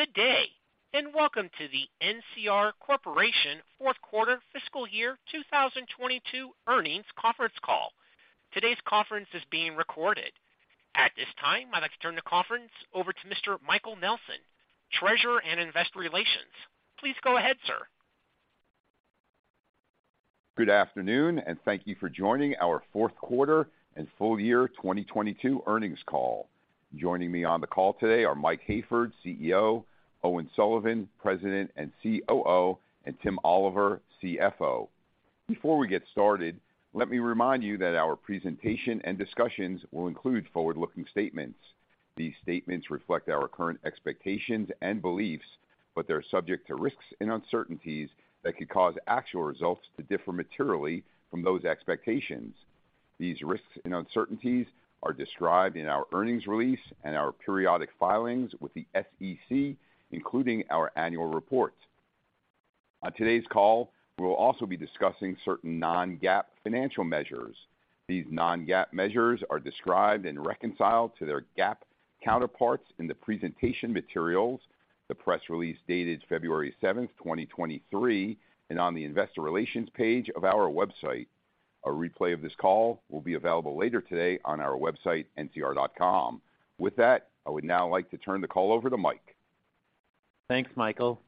Please standby. Good day. Welcome to the NCR Corporation fourth quarter fiscal year 2022 earnings conference call. Today's conference is being recorded. At this time, I'd like to turn the conference over to Mr. Michael Nelson, Treasurer and Investor Relations. Please go ahead, sir. Good afternoon. Thank you for joining our fourth quarter and full year 2022 earnings call. Joining me on the call today are Mike Hayford, CEO, Owen Sullivan, President and COO, and Tim Oliver, CFO. Before we get started, let me remind you that our presentation and discussions will include forward-looking statements. These statements reflect our current expectations and beliefs, but they're subject to risks and uncertainties that could cause actual results to differ materially from those expectations. These risks and uncertainties are described in our earnings release and our periodic filings with the SEC, including our annual reports. On today's call, we will also be discussing certain non-GAAP financial measures. These non-GAAP measures are described and reconciled to their GAAP counterparts in the presentation materials, the press release dated February 7, 2023, and on the investor relations page of our website. A replay of this call will be available later today on our website, ncr.com. With that, I would now like to turn the call over to Mike. Thanks, Michael.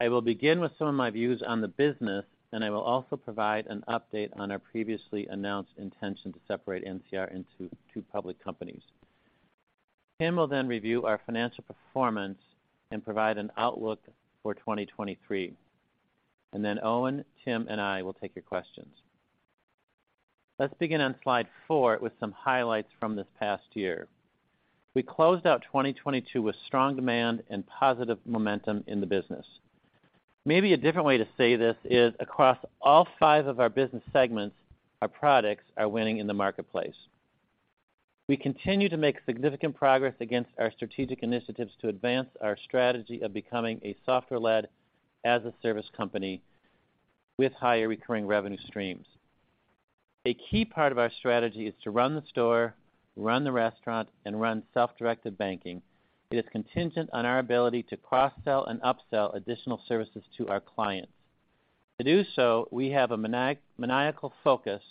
I will begin with some of my views on the business, and I will also provide an update on our previously announced intention to separate NCR into two public companies. Tim will then review our financial performance and provide an outlook for 2023. Owen, Tim, and I will take your questions. Let's begin on slide four with some highlights from this past year. We closed out 2022 with strong demand and positive momentum in the business. Maybe a different way to say this is across all five of our business segments, our products are winning in the marketplace. We continue to make significant progress against our strategic initiatives to advance our strategy of becoming a software-led as a service company with higher recurring revenue streams. A key part of our strategy is to run the store, run the restaurant, and run self-directed banking. It is contingent on our ability to cross-sell and upsell additional services to our clients. To do so, we have a maniacal focus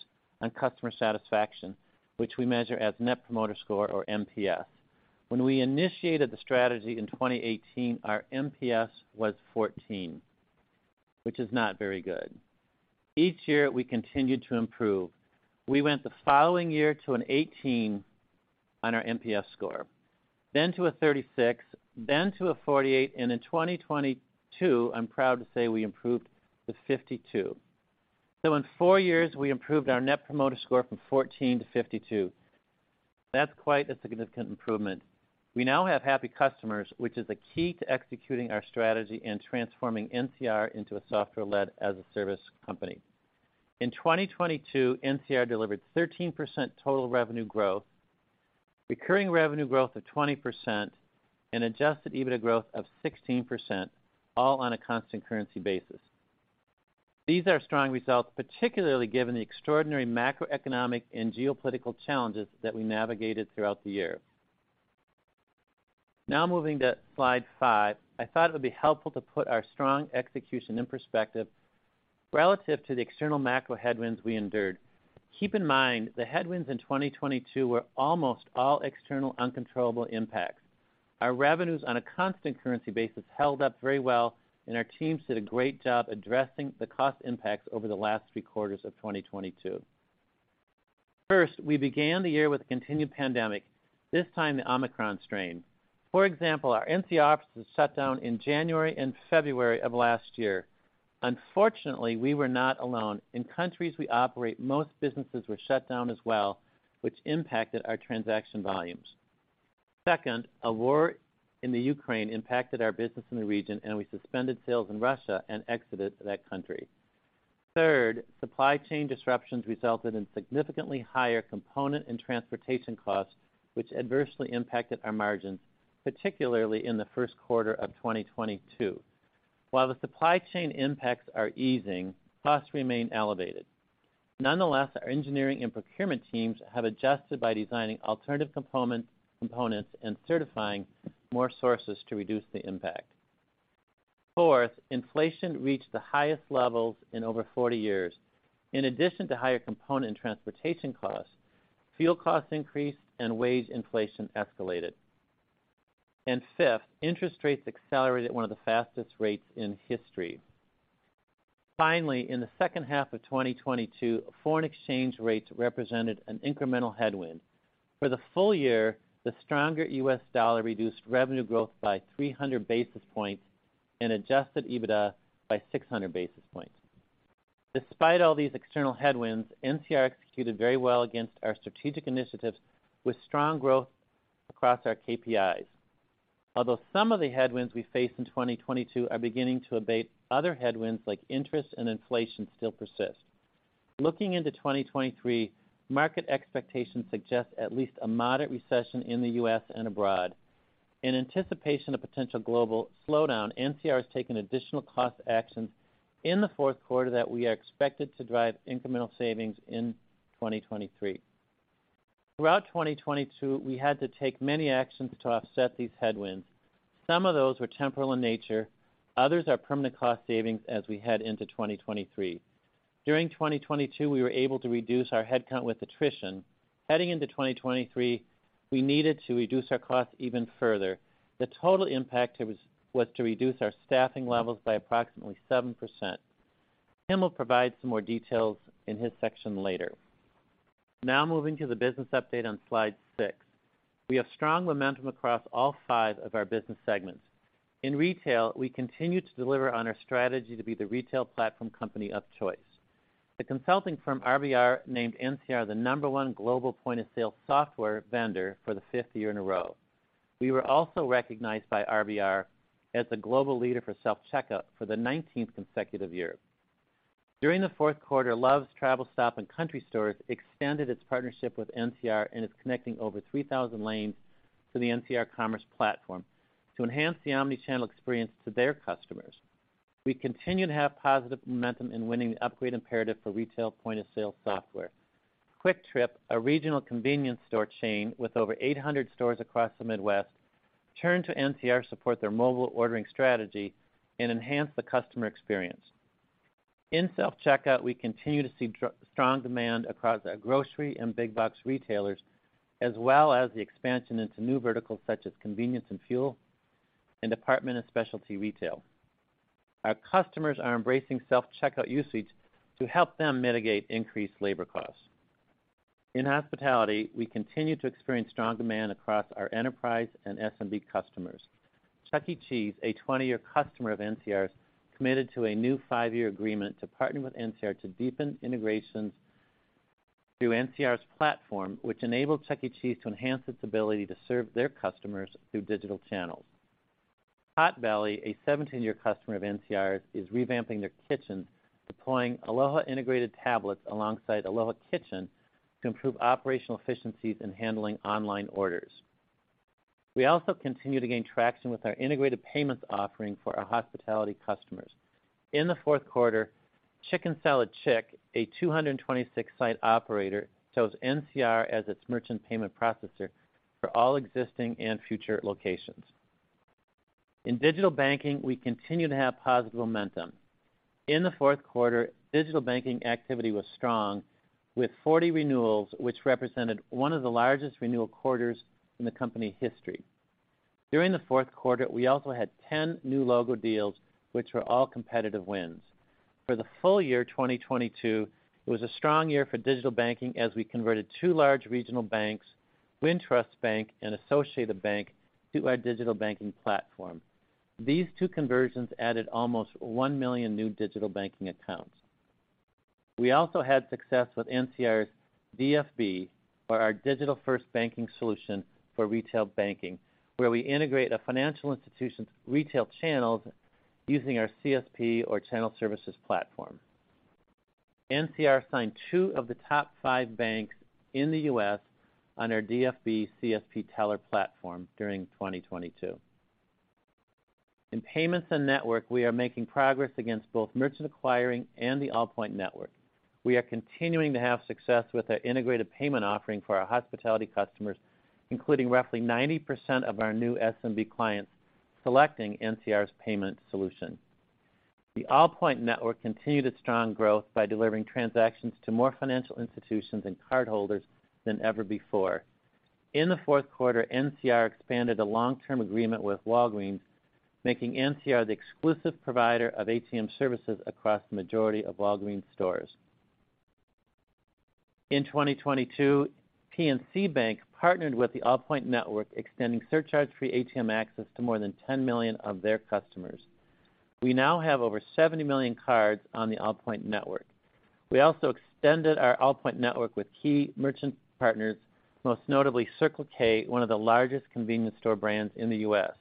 on customer satisfaction, which we measure as Net Promoter Score, or NPS. When we initiated the strategy in 2018, our NPS was 14, which is not very good. Each year, we continued to improve. We went the following year to an 18 on our NPS score, then to a 36, then to a 48, and in 2022, I'm proud to say we improved to 52. In 4 years, we improved our Net Promoter Score from 14 to 52. That's quite a significant improvement. We now have happy customers, which is the key to executing our strategy and transforming NCR into a software-led as a service company. In 2022, NCR delivered 13% total revenue growth, recurring revenue growth of 20%, and adjusted EBITDA growth of 16%, all on a constant currency basis. These are strong results, particularly given the extraordinary macroeconomic and geopolitical challenges that we navigated throughout the year. Moving to slide 5. I thought it would be helpful to put our strong execution in perspective relative to the external macro headwinds we endured. Keep in mind, the headwinds in 2022 were almost all external, uncontrollable impacts. Our revenues on a constant currency basis held up very well, and our teams did a great job addressing the cost impacts over the last 3 quarters of 2022. First, we began the year with a continued pandemic, this time the Omicron strain. For example, our NCR offices shut down in January and February of last year. Unfortunately, we were not alone. In countries we operate, most businesses were shut down as well, which impacted our transaction volumes. Second, a war in Ukraine impacted our business in the region, and we suspended sales in Russia and exited that country. Third, supply chain disruptions resulted in significantly higher component and transportation costs, which adversely impacted our margins, particularly in the first quarter of 2022. While the supply chain impacts are easing, costs remain elevated. Nonetheless, our engineering and procurement teams have adjusted by designing alternative components and certifying more sources to reduce the impact. Fourth, inflation reached the highest levels in over 40 years. In addition to higher component and transportation costs, fuel costs increased and wage inflation escalated. Fifth, interest rates accelerated at one of the fastest rates in history. Finally, in the second half of 2022, foreign exchange rates represented an incremental headwind. For the full year, the stronger US dollar reduced revenue growth by 300 basis points and adjusted EBITDA by 600 basis points. Despite all these external headwinds, NCR executed very well against our strategic initiatives with strong growth across our KPIs. Some of the headwinds we faced in 2022 are beginning to abate, other headwinds, like interest and inflation, still persist. Looking into 2023, market expectations suggest at least a moderate recession in the U.S. and abroad. In anticipation of potential global slowdown, NCR has taken additional cost actions in the fourth quarter that we are expected to drive incremental savings in 2023. Throughout 2022, we had to take many actions to offset these headwinds. Some of those were temporal in nature, others are permanent cost savings as we head into 2023. During 2022, we were able to reduce our headcount with attrition. Heading into 2023, we needed to reduce our costs even further. The total impact was to reduce our staffing levels by approximately 7%. Tim will provide some more details in his section later. Moving to the business update on slide 6. We have strong momentum across all 5 of our business segments. In retail, we continue to deliver on our strategy to be the retail platform company of choice. The consulting firm RBR named NCR the number 1 global point-of-sale software vendor for the fifth year in a row. We were also recognized by RBR as the global leader for self-checkout for the 19th consecutive year. During the fourth quarter, Love's Travel Stops & Country Stores extended its partnership with NCR and is connecting over 3,000 lanes to the NCR commerce platform to enhance the omni-channel experience to their customers. We continue to have positive momentum in winning the upgrade imperative for retail point-of-sale software. Kwik Trip, a regional convenience store chain with over 800 stores across the Midwest, turned to NCR to support their mobile ordering strategy and enhance the customer experience. In self-checkout, we continue to see strong demand across our grocery and big box retailers, as well as the expansion into new verticals such as convenience and fuel, and department and specialty retail. Our customers are embracing self-checkout usage to help them mitigate increased labor costs. In hospitality, we continue to experience strong demand across our enterprise and SMB customers. Chuck E. Cheese, a 20-year customer of NCR's, committed to a new 5-year agreement to partner with NCR to deepen integrations through NCR's platform, which enabled Chuck E. Cheese to enhance its ability to serve their customers through digital channels. Potbelly, a 17-year customer of NCR's, is revamping their kitchen, deploying Aloha-integrated tablets alongside Aloha Kitchen to improve operational efficiencies in handling online orders. We also continue to gain traction with our integrated payments offering for our hospitality customers. In the fourth quarter, Chicken Salad Chick, a 226-site operator, chose NCR as its merchant payment processor for all existing and future locations. In Digital Banking, we continue to have positive momentum. In the fourth quarter, Digital Banking activity was strong, with 40 renewals, which represented one of the largest renewal quarters in the company history. During the fourth quarter, we also had 10 new logo deals, which were all competitive wins. For the full year 2022, it was a strong year for Digital Banking as we converted two large regional banks, Wintrust Bank and Associated Bank, to our Digital Banking platform. These two conversions added almost 1 million new digital banking accounts. We also had success with NCR's DFB, or our Digital First Banking solution for retail banking, where we integrate a financial institution's retail channels using our CSP or Channel Services Platform. NCR signed two of the top five banks in the U.S. on our DFB CSP teller platform during 2022. In Payments and Network, we are making progress against both merchant acquiring and the Allpoint Network. We are continuing to have success with our integrated payment offering for our hospitality customers, including roughly 90% of our new SMB clients selecting NCR's payment solution. The Allpoint Network continued its strong growth by delivering transactions to more financial institutions and cardholders than ever before. In the fourth quarter, NCR expanded a long-term agreement with Walgreens, making NCR the exclusive provider of ATM services across the majority of Walgreens stores. In 2022, PNC Bank partnered with the Allpoint Network, extending surcharge-free ATM access to more than $10 million of their customers. We now have over $70 million cards on the Allpoint Network. We also extended our Allpoint Network with key merchant partners, most notably Circle K, one of the largest convenience store brands in the U.S.,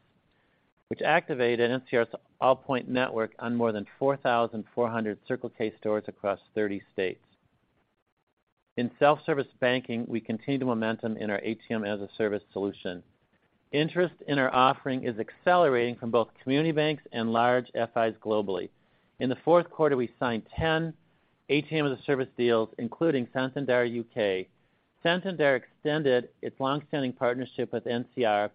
which activated NCR's Allpoint Network on more than 4,400 Circle K stores across 30 states. In Self-Service Banking, we continue the momentum in our ATM-as-a-Service solution. Interest in our offering is accelerating from both community banks and large FIs globally. In the fourth quarter, we signed 10 ATM-as-a-Service deals, including Santander UK. Santander extended its long-standing partnership with NCR,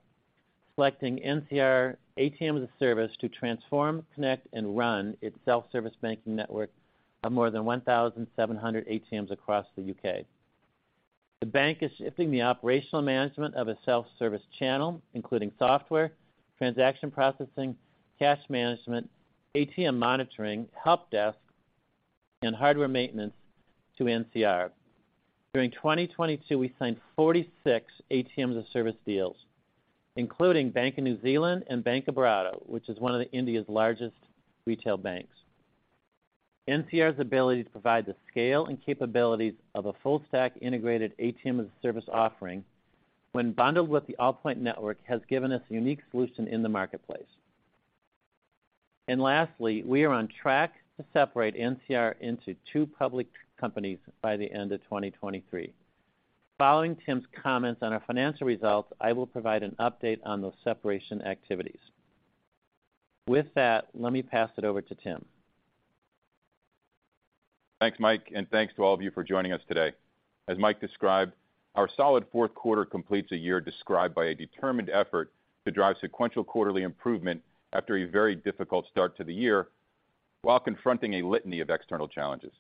selecting NCR ATM-as-a-Service to transform, connect, and run its Self-Service Banking network of more than 1,700 ATMs across the U.K. The bank is shifting the operational management of a self-service channel, including software, transaction processing, cash management, ATM monitoring, help desk, and hardware maintenance to NCR. During 2022, we signed 46 ATM as a Service deals, including Bank of New Zealand and Bank of Baroda, which is one of the India's largest retail banks. NCR's ability to provide the scale and capabilities of a full stack integrated ATM as a Service offering when bundled with the Allpoint Network has given us a unique solution in the marketplace. Lastly, we are on track to separate NCR into two public companies by the end of 2023. Following Tim's comments on our financial results, I will provide an update on those separation activities. With that, let me pass it over to Tim. Thanks, Mike, and thanks to all of you for joining us today. As Mike described, our solid fourth quarter completes a year described by a determined effort to drive sequential quarterly improvement after a very difficult start to the year, while confronting a litany of external challenges.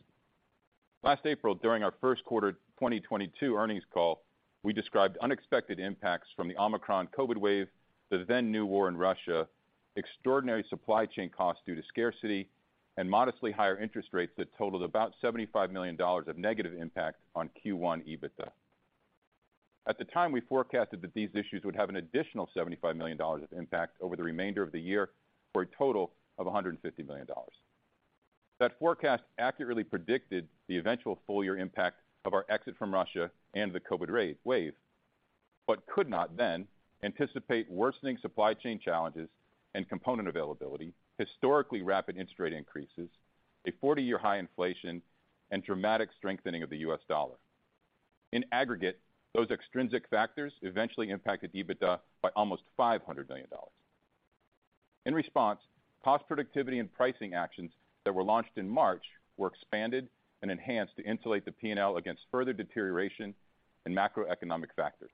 Last April, during our first quarter 2022 earnings call, we described unexpected impacts from the Omicron COVID wave, the then new war in Russia, extraordinary supply chain costs due to scarcity, and modestly higher interest rates that totaled about $75 million of negative impact on Q1 EBITDA. At the time, we forecasted that these issues would have an additional $75 million of impact over the remainder of the year for a total of $150 million. That forecast accurately predicted the eventual full year impact of our exit from Russia and the COVID ray- wave, could not then anticipate worsening supply chain challenges and component availability, historically rapid interest rate increases, a 40-year high inflation, and dramatic strengthening of the US dollar. In aggregate, those extrinsic factors eventually impacted EBITDA by almost $500 million. In response, cost productivity and pricing actions that were launched in March were expanded and enhanced to insulate the P&L against further deterioration in macroeconomic factors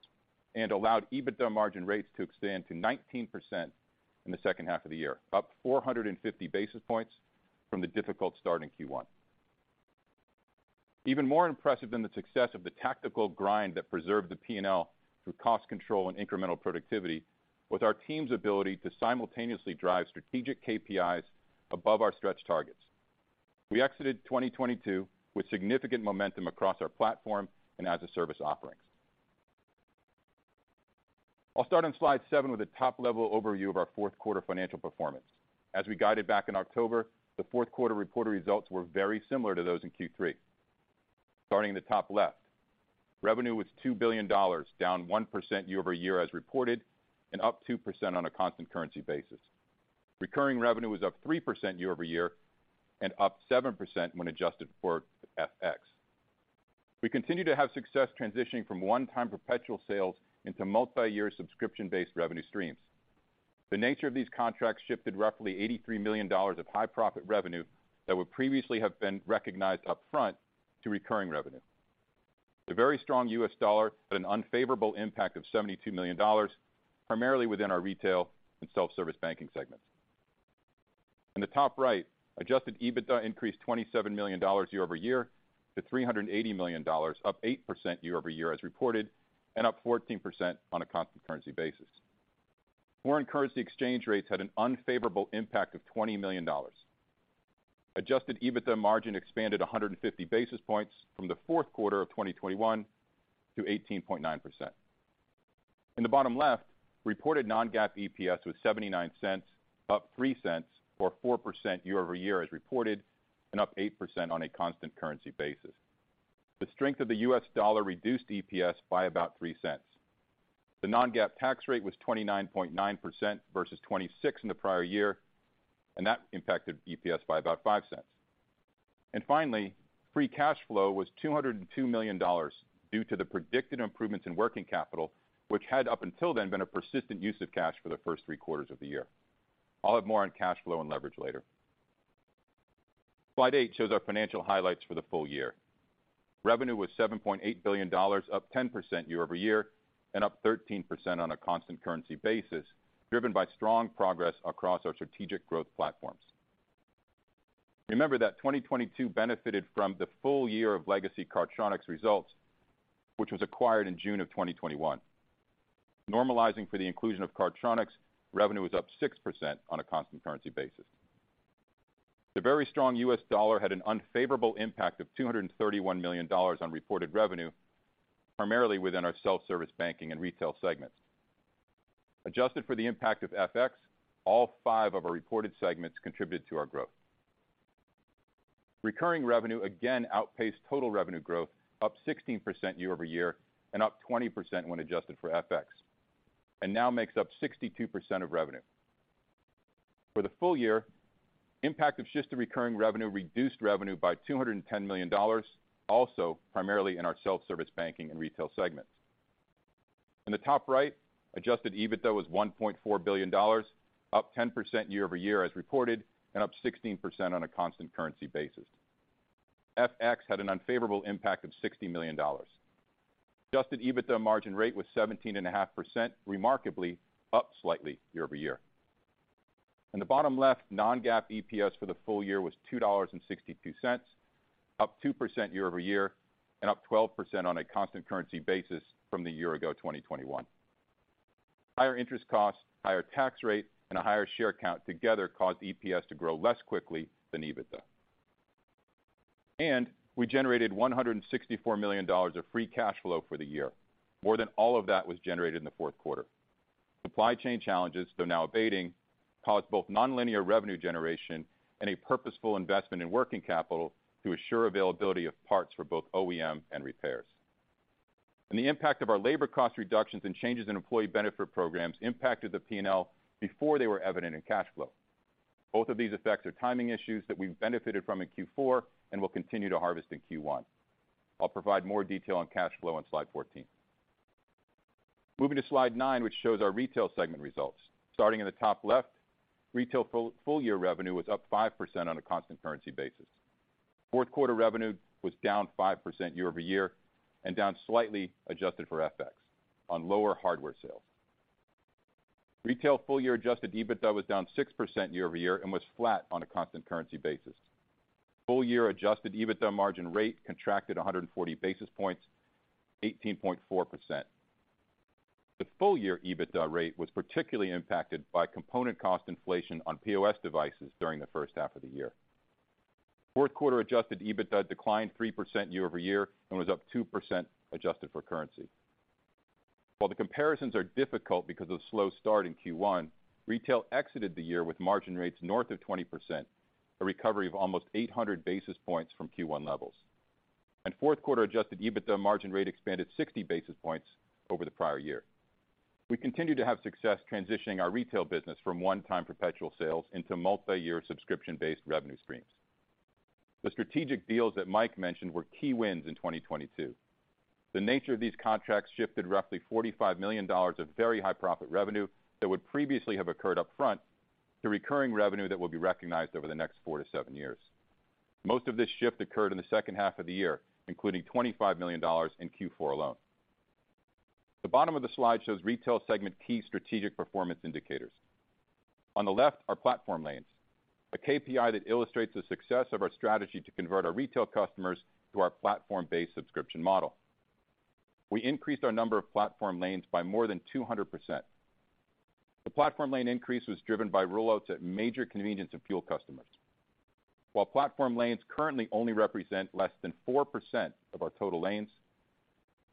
and allowed EBITDA margin rates to expand to 19% in the second half of the year, up 450 basis points from the difficult start in Q1. Even more impressive than the success of the tactical grind that preserved the P&L through cost control and incremental productivity was our team's ability to simultaneously drive strategic KPIs above our stretch targets. We exited 2022 with significant momentum across our platform and as-a-service offerings. I'll start on slide seven with a top-level overview of our fourth quarter financial performance. As we guided back in October, the fourth quarter reported results were very similar to those in Q3. Starting at the top left, revenue was $2 billion, down 1% year-over-year as reported, and up 2% on a constant currency basis. Recurring revenue was up 3% year-over-year and up 7% when adjusted for FX. We continue to have success transitioning from one-time perpetual sales into multiyear subscription-based revenue streams. The nature of these contracts shifted roughly $83 million of high-profit revenue that would previously have been recognized upfront to recurring revenue. The very strong US dollar had an unfavorable impact of $72 million, primarily within our retail and Self-Service Banking segments. In the top right, adjusted EBITDA increased $27 million year-over-year to $380 million, up 8% year-over-year as reported, up 14% on a constant currency basis. Foreign currency exchange rates had an unfavorable impact of $20 million. Adjusted EBITDA margin expanded 150 basis points from the fourth quarter of 2021 to 18.9%. In the bottom left, reported non-GAAP EPS was $0.79, up $0.03 or 4% year-over-year as reported, up 8% on a constant currency basis. The strength of the US dollar reduced EPS by about $0.03. The non-GAAP tax rate was 29.9% versus 26% in the prior year, That impacted EPS by about $0.05. Finally, free cash flow was $202 million due to the predicted improvements in working capital, which had, up until then, been a persistent use of cash for the first three quarters of the year. I'll have more on cash flow and leverage later. Slide eight shows our financial highlights for the full year. Revenue was $7.8 billion, up 10% year-over-year, and up 13% on a constant currency basis, driven by strong progress across our strategic growth platforms. Remember that 2022 benefited from the full year of legacy Cardtronics results, which was acquired in June of 2021. Normalizing for the inclusion of Cardtronics, revenue was up 6% on a constant currency basis. The very strong US dollar had an unfavorable impact of $231 million on reported revenue, primarily within our Self-Service Banking and retail segments. Adjusted for the impact of FX, all five of our reported segments contributed to our growth. Recurring revenue again outpaced total revenue growth, up 16% year-over-year and up 20% when adjusted for FX, and now makes up 62% of revenue. For the full year, impact of shift to recurring revenue reduced revenue by $210 million, also primarily in our Self-Service Banking and retail segments. In the top right, adjusted EBITDA was $1.4 billion, up 10% year-over-year as reported, and up 16% on a constant currency basis. FX had an unfavorable impact of $60 million. Adjusted EBITDA margin rate was 17.5%, remarkably up slightly year-over-year. In the bottom left, non-GAAP EPS for the full year was $2.62, up 2% year-over-year, and up 12% on a constant currency basis from the year ago, 2021. Higher interest costs, higher tax rate, and a higher share count together caused EPS to grow less quickly than EBITDA. We generated $164 million of free cash flow for the year. More than all of that was generated in the fourth quarter. Supply chain challenges, though now abating, caused both nonlinear revenue generation and a purposeful investment in working capital to assure availability of parts for both OEM and repairs. The impact of our labor cost reductions and changes in employee benefit programs impacted the P&L before they were evident in cash flow. Both of these effects are timing issues that we've benefited from in Q4 and will continue to harvest in Q1. I'll provide more detail on cash flow on slide 14. Moving to slide nine, which shows our Retail segment results. Starting in the top left, Retail full year revenue was up 5% on a constant currency basis. Fourth quarter revenue was down 5% year-over-year, and down slightly adjusted for FX on lower hardware sales. Retail full year adjusted EBITDA was down 6% year-over-year and was flat on a constant currency basis. Full year adjusted EBITDA margin rate contracted 140 basis points, 18.4%. The full year EBITDA rate was particularly impacted by component cost inflation on POS devices during the first half of the year. Fourth quarter adjusted EBITDA declined 3% year-over-year and was up 2% adjusted for currency. While the comparisons are difficult because of slow start in Q1, Retail exited the year with margin rates north of 20%, a recovery of almost 800 basis points from Q1 levels. Fourth quarter adjusted EBITDA margin rate expanded 60 basis points over the prior year. The strategic deals that Mike mentioned were key wins in 2022. The nature of these contracts shifted roughly $45 million of very high profit revenue that would previously have occurred upfront to recurring revenue that will be recognized over the next four to seven years. Most of this shift occurred in the second half of the year, including $25 million in Q4 alone. The bottom of the slide shows Retail segment key strategic performance indicators. On the left are platform lanes, a KPI that illustrates the success of our strategy to convert our Retail customers to our platform-based subscription model. We increased our number of platform lanes by more than 200%. The platform lane increase was driven by rollouts at major convenience and fuel customers. While platform lanes currently only represent less than 4% of our total lanes,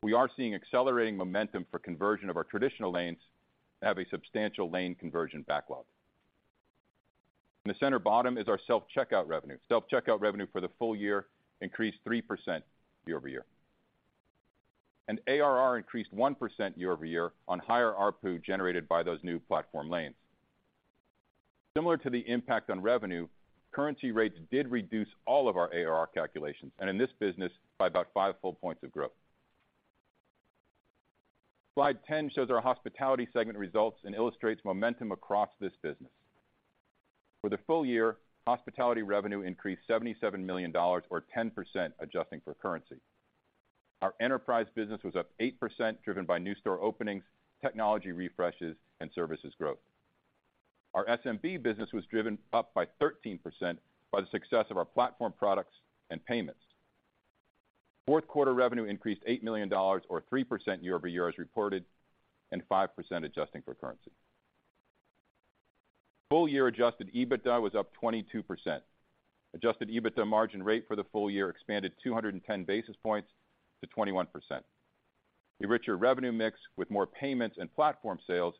we are seeing accelerating momentum for conversion of our traditional lanes, and have a substantial lane conversion backlog. In the center bottom is our self-checkout revenue. Self-checkout revenue for the full year increased 3% year-over-year. ARR increased 1% year-over-year on higher ARPU generated by those new platform lanes. Similar to the impact on revenue, currency rates did reduce all of our ARR calculations, and in this business by about 5 full points of growth. Slide 10 shows our Hospitality segment results and illustrates momentum across this business. For the full year, Hospitality revenue increased $77 million or 10% adjusting for currency. Our enterprise business was up 8%, driven by new store openings, technology refreshes, and services growth. Our SMB business was driven up by 13% by the success of our platform products and payments. Fourth quarter revenue increased $8 million or 3% year-over-year as reported, and 5% adjusting for currency. Full year adjusted EBITDA was up 22%. Adjusted EBITDA margin rate for the full year expanded 210 basis points to 21%. A richer revenue mix with more payments and platform sales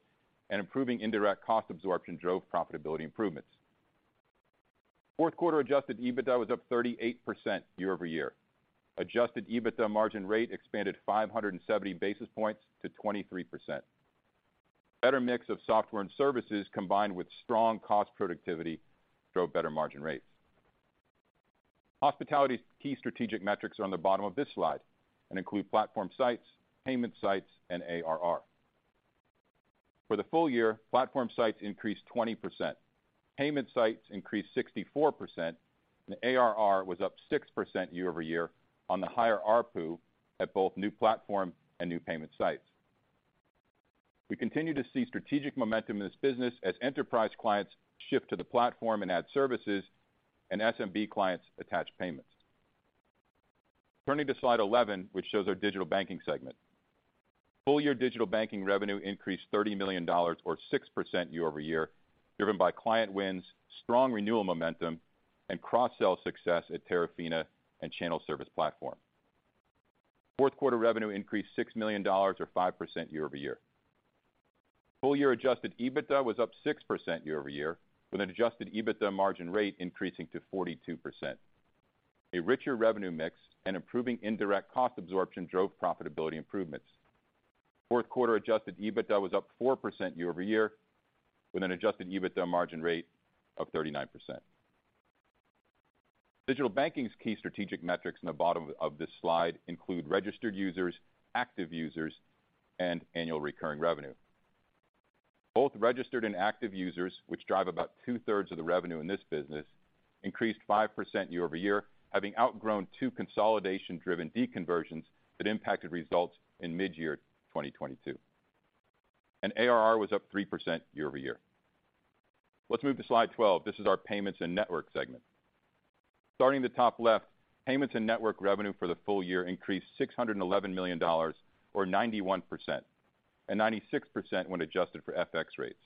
and improving indirect cost absorption drove profitability improvements. Fourth quarter adjusted EBITDA was up 38% year-over-year. Adjusted EBITDA margin rate expanded 570 basis points to 23%. Better mix of software and services, combined with strong cost productivity, drove better margin rates. Hospitality's key strategic metrics are on the bottom of this slide and include platform sites, payment sites, and ARR. For the full year, platform sites increased 20%. Payment sites increased 64%, and ARR was up 6% year-over-year on the higher ARPU at both new platform and new payment sites. We continue to see strategic momentum in this business as enterprise clients shift to the platform and add services, and SMB clients attach payments. Turning to slide 11, which shows our Digital Banking segment. Full year Digital Banking revenue increased $30 million or 6% year-over-year, driven by client wins, strong renewal momentum, and cross-sell success at Terafina and Channel Services Platform. Fourth quarter revenue increased $6 million or 5% year-over-year. Full year adjusted EBITDA was up 6% year-over-year, with an adjusted EBITDA margin rate increasing to 42%. A richer revenue mix and improving indirect cost absorption drove profitability improvements. Fourth quarter adjusted EBITDA was up 4% year-over-year, with an adjusted EBITDA margin rate of 39%. Digital Banking's key strategic metrics in the bottom of this slide include registered users, active users, and annual recurring revenue. Both registered and active users, which drive about 2/3 of the revenue in this business, increased 5% year-over-year, having outgrown two consolidation-driven deconversions that impacted results in midyear 2022. ARR was up 3% year-over-year. Let's move to slide 12. This is our Payments and Network segment. Starting at the top left, Payments and Network revenue for the full year increased $611 million or 91%, and 96% when adjusted for FX rates.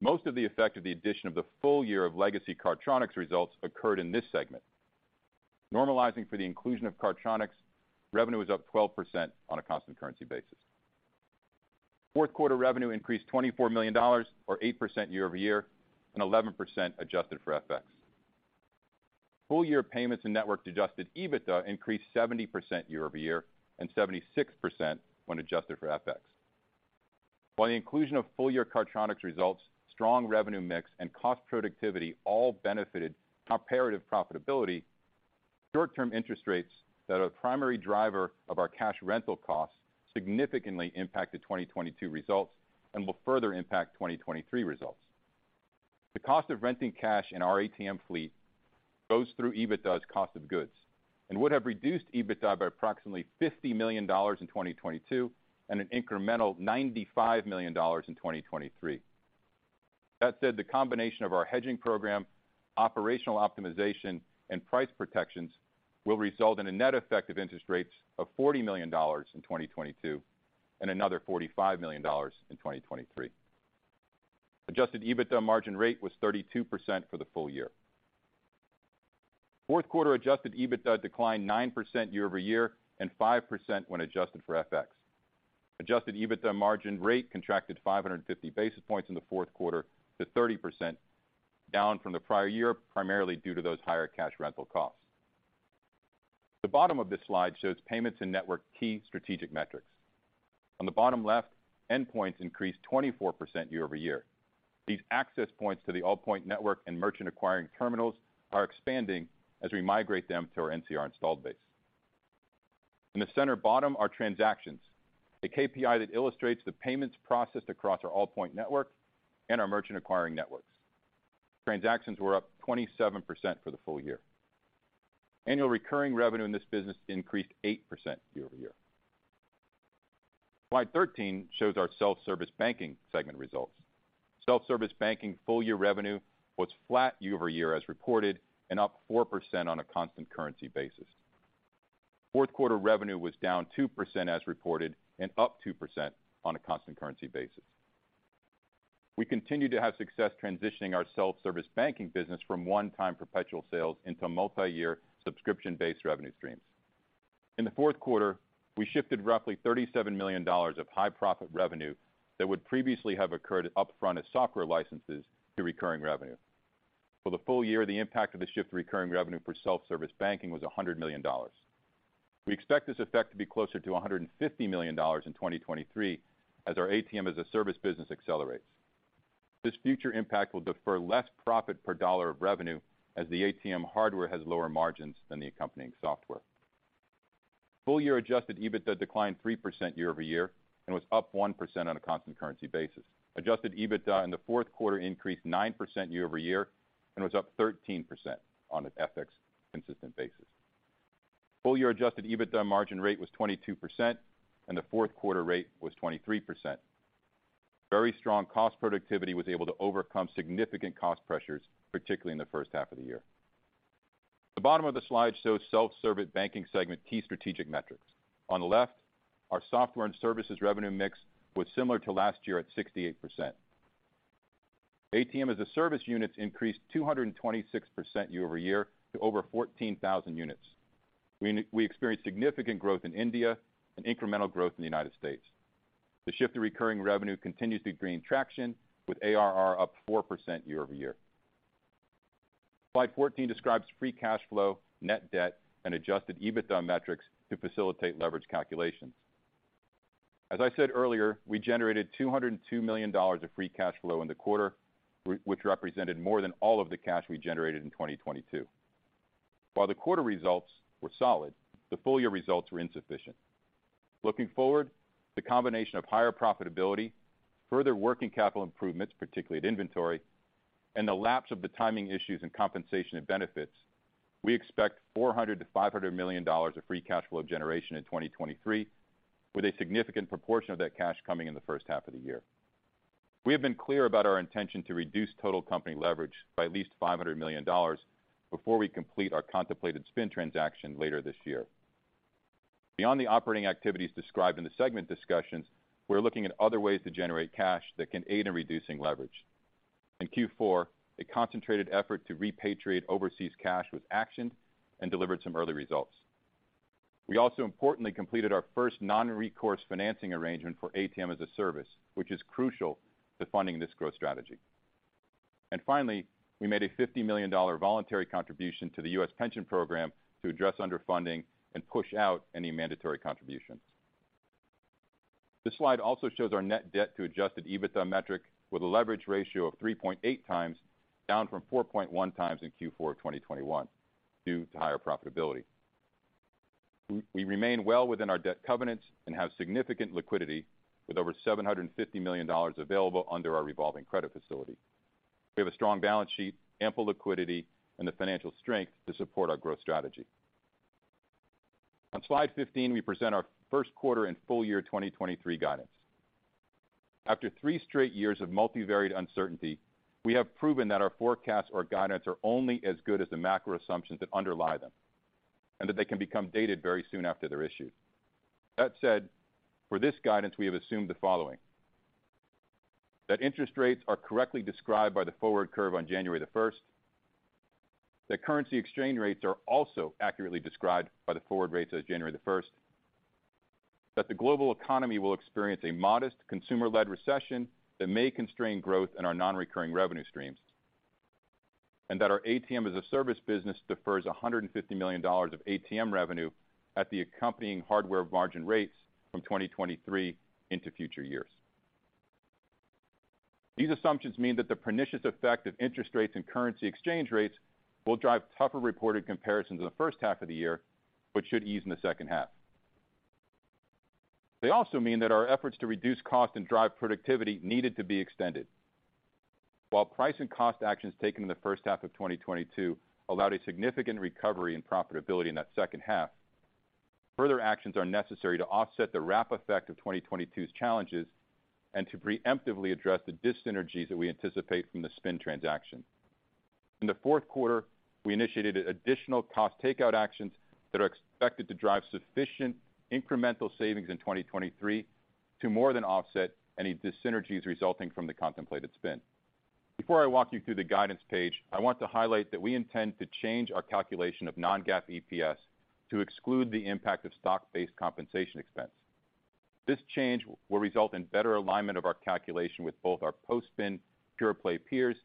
Most of the effect of the addition of the full year of legacy Cardtronics results occurred in this segment. Normalizing for the inclusion of Cardtronics, revenue was up 12% on a constant currency basis. Fourth quarter revenue increased $24 million or 8% year-over-year, and 11% adjusted for FX. Full year Payments and Network-adjusted EBITDA increased 70% year-over-year and 76% when adjusted for FX. While the inclusion of full-year Cardtronics results, strong revenue mix, and cost productivity all benefited comparative profitability, short-term interest rates that are the primary driver of our cash rental costs significantly impacted 2022 results and will further impact 2023 results. The cost of renting cash in our ATM fleet goes through EBITDA's cost of goods and would have reduced EBITDA by approximately $50 million in 2022 and an incremental $95 million in 2023. That said, the combination of our hedging program, operational optimization, and price protections will result in a net effect of interest rates of $40 million in 2022 and another $45 million in 2023. Adjusted EBITDA margin rate was 32% for the full year. Fourth quarter adjusted EBITDA declined 9% year-over-year and 5% when adjusted for FX. Adjusted EBITDA margin rate contracted 550 basis points in the fourth quarter to 30%, down from the prior year, primarily due to those higher cash rental costs. The bottom of this slide shows Payments and Network key strategic metrics. On the bottom left, endpoints increased 24% year-over-year. These access points to the Allpoint Network and merchant acquiring terminals are expanding as we migrate them to our NCR installed base. In the center bottom are transactions, a KPI that illustrates the payments processed across our Allpoint Network and our merchant acquiring networks. Transactions were up 27% for the full year. Annual recurring revenue in this business increased 8% year-over-year. Slide 13 shows our Self-Service Banking segment results. Self-Service Banking full-year revenue was flat year-over-year as reported, and up 4% on a constant currency basis. Fourth quarter revenue was down 2% as reported, and up 2% on a constant currency basis. We continue to have success transitioning our Self-Service Banking business from one-time perpetual sales into multiyear subscription-based revenue streams. In the fourth quarter, we shifted roughly $37 million of high-profit revenue that would previously have occurred upfront as software licenses to recurring revenue. For the full year, the impact of the shift to recurring revenue for Self-Service Banking was $100 million. We expect this effect to be closer to $150 million in 2023 as our ATM as a Service business accelerates. This future impact will defer less profit per dollar of revenue as the ATM hardware has lower margins than the accompanying software. Full year adjusted EBITDA declined 3% year-over-year and was up 1% on a constant currency basis. Adjusted EBITDA in the fourth quarter increased 9% year-over-year and was up 13% on an FX consistent basis. Full year adjusted EBITDA margin rate was 22%, and the fourth quarter rate was 23%. Very strong cost productivity was able to overcome significant cost pressures, particularly in the first half of the year. The bottom of the slide shows Self-Service Banking segment key strategic metrics. On the left, our software and services revenue mix was similar to last year at 68%. ATM as a Service units increased 226% year-over-year to over 14,000 units. We experienced significant growth in India and incremental growth in the United States. The shift to recurring revenue continues to gain traction, with ARR up 4% year-over-year. Slide 14 describes free cash flow, net debt, and adjusted EBITDA metrics to facilitate leverage calculations. As I said earlier, we generated $202 million of free cash flow in the quarter, which represented more than all of the cash we generated in 2022. While the quarter results were solid, the full-year results were insufficient. Looking forward, the combination of higher profitability, further working capital improvements, particularly at inventory, and the lapse of the timing issues in compensation and benefits, we expect $400 million-$500 million of free cash flow generation in 2023, with a significant proportion of that cash coming in the first half of the year. We have been clear about our intention to reduce total company leverage by at least $500 million before we complete our contemplated spin transaction later this year. Beyond the operating activities described in the segment discussions, we're looking at other ways to generate cash that can aid in reducing leverage. In Q4, a concentrated effort to repatriate overseas cash was actioned and delivered some early results. We also importantly completed our first non-recourse financing arrangement for ATM as a Service, which is crucial to funding this growth strategy. Finally, we made a $50 million voluntary contribution to the U.S. pension program to address underfunding and push out any mandatory contributions. This slide also shows our net debt to adjusted EBITDA metric with a leverage ratio of 3.8x, down from 4.1x in Q4 of 2021 due to higher profitability. We remain well within our debt covenants and have significant liquidity with over $750 million available under our revolving credit facility. We have a strong balance sheet, ample liquidity, and the financial strength to support our growth strategy. On slide 15, we present our first quarter and full year 2023 guidance. After three straight years of multivariate uncertainty, we have proven that our forecasts or guidance are only as good as the macro assumptions that underlie them, and that they can become dated very soon after they're issued. That said, for this guidance, we have assumed the following: that interest rates are correctly described by the forward curve on January the 1st, that currency exchange rates are also accurately described by the forward rates as January the 1st. That the global economy will experience a modest consumer-led recession that may constrain growth in our non-recurring revenue streams. That our ATM as a Service business defers $150 million of ATM revenue at the accompanying hardware margin rates from 2023 into future years. These assumptions mean that the pernicious effect of interest rates and currency exchange rates will drive tougher reported comparisons in the first half of the year, but should ease in the second half. They also mean that our efforts to reduce cost and drive productivity needed to be extended. While price and cost actions taken in the first half of 2022 allowed a significant recovery in profitability in that second half, further actions are necessary to offset the wrap effect of 2022's challenges and to preemptively address the dyssynergies that we anticipate from the spin transaction. In the fourth quarter, we initiated additional cost takeout actions that are expected to drive sufficient incremental savings in 2023 to more than offset any dyssynergies resulting from the contemplated spin. Before I walk you through the guidance page, I want to highlight that we intend to change our calculation of non-GAAP EPS to exclude the impact of stock-based compensation expense. This change will result in better alignment of our calculation with both our post-spin pure-play peers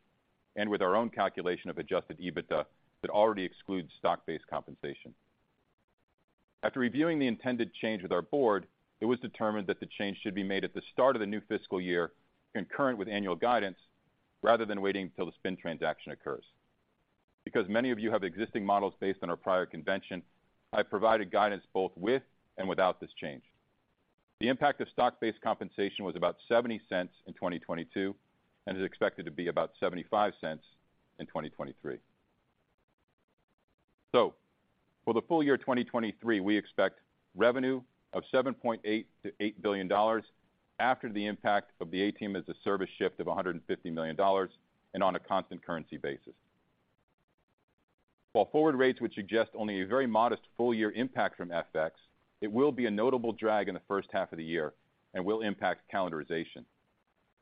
and with our own calculation of adjusted EBITDA that already excludes stock-based compensation. After reviewing the intended change with our board, it was determined that the change should be made at the start of the new fiscal year, concurrent with annual guidance, rather than waiting till the spin transaction occurs. Because many of you have existing models based on our prior convention, I provided guidance both with and without this change. The impact of stock-based compensation was about $0.70 in 2022, and is expected to be about $0.75 in 2023. For the full year 2023, we expect revenue of $7.8 billion-$8 billion after the impact of the ATM as a Service shift of $150 million and on a constant currency basis. While forward rates would suggest only a very modest full year impact from FX, it will be a notable drag in the first half of the year and will impact calendarization.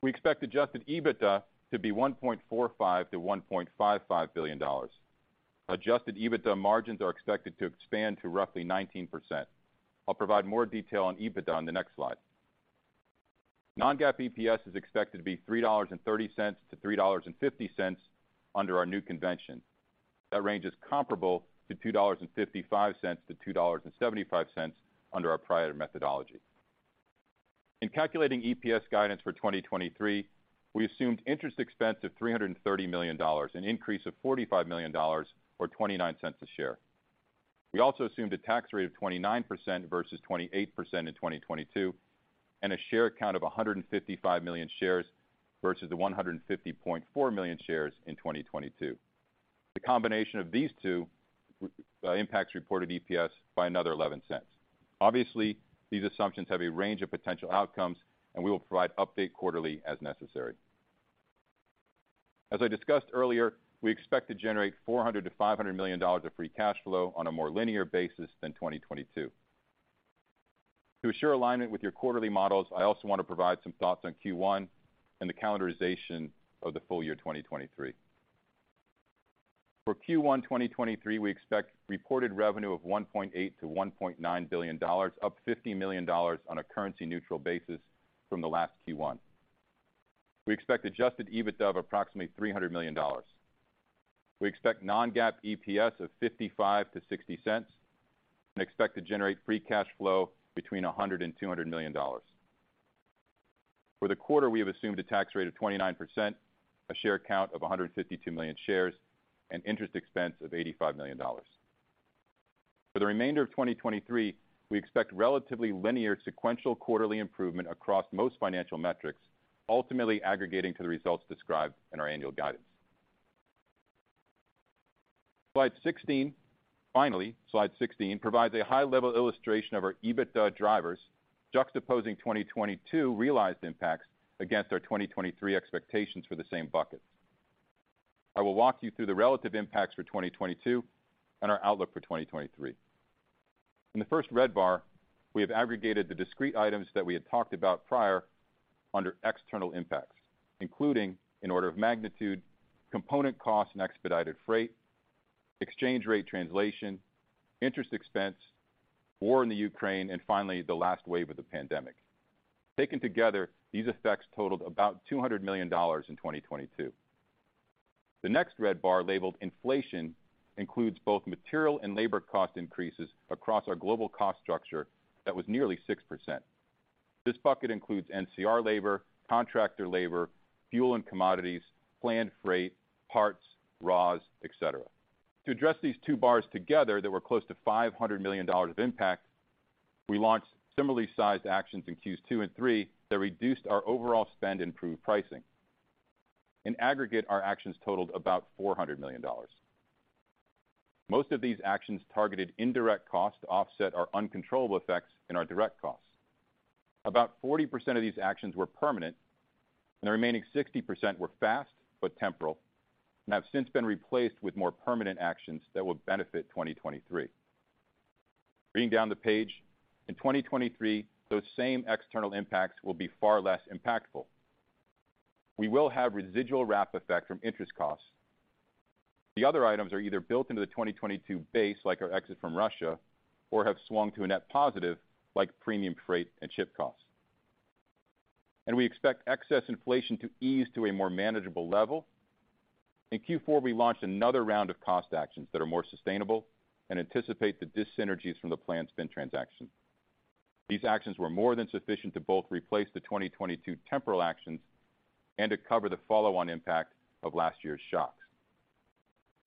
We expect adjusted EBITDA to be $1.45 billion-$1.55 billion. Adjusted EBITDA margins are expected to expand to roughly 19%. I'll provide more detail on EBITDA on the next slide. Non-GAAP EPS is expected to be $3.30-$3.50 under our new convention. That range is comparable to $2.55-$2.75 under our prior methodology. In calculating EPS guidance for 2023, we assumed interest expense of $330 million, an increase of $45 million or $0.29 a share. We also assumed a tax rate of 29% versus 28% in 2022, and a share count of 155 million shares versus the 150.4 million shares in 2022. The combination of these two impacts reported EPS by another $0.11. Obviously, these assumptions have a range of potential outcomes, and we will provide update quarterly as necessary. As I discussed earlier, we expect to generate $400 million-$500 million of free cash flow on a more linear basis than 2022. To assure alignment with your quarterly models, I also want to provide some thoughts on Q1 and the calendarization of the full year 2023. For Q1 2023, we expect reported revenue of $1.8 billion-$1.9 billion, up $50 million on a currency neutral basis from the last Q1. We expect adjusted EBITDA of approximately $300 million. We expect non-GAAP EPS of $0.55-$0.60, and expect to generate free cash flow between $100 million and $200 million. For the quarter, we have assumed a tax rate of 29%, a share count of 152 million shares, and interest expense of $85 million. For the remainder of 2023, we expect relatively linear sequential quarterly improvement across most financial metrics, ultimately aggregating to the results described in our annual guidance. Slide 16. Slide 16 provides a high-level illustration of our EBITDA drivers, juxtaposing 2022 realized impacts against our 2023 expectations for the same buckets. I will walk you through the relative impacts for 2022 and our outlook for 2023. In the first red bar, we have aggregated the discrete items that we had talked about prior under external impacts, including in order of magnitude, component cost and expedited freight, exchange rate translation, interest expense, war in Ukraine, and finally the last wave of the pandemic. Taken together, these effects totaled about $200 million in 2022. The next red bar, labeled inflation, includes both material and labor cost increases across our global cost structure that was nearly 6%. This bucket includes NCR labor, contractor labor, fuel and commodities, planned freight, parts, raws, et cetera. To address these two bars together that were close to $500 million of impact, we launched similarly sized actions in Q2 and Q3 that reduced our overall spend and improved pricing. In aggregate, our actions totaled about $400 million. Most of these actions targeted indirect costs to offset our uncontrollable effects in our direct costs. About 40% of these actions were permanent, and the remaining 60% were fast but temporal, and have since been replaced with more permanent actions that will benefit 2023. Reading down the page, in 2023, those same external impacts will be far less impactful. We will have residual wrap effect from interest costs. The other items are either built into the 2022 base, like our exit from Russia, or have swung to a net positive like premium freight and ship costs. We expect excess inflation to ease to a more manageable level. In Q4, we launched another round of cost actions that are more sustainable and anticipate the dyssynergies from the planned Spin transaction. These actions were more than sufficient to both replace the 2022 temporal actions and to cover the follow-on impact of last year's shocks.